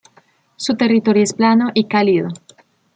Su territorio es plano y cálido.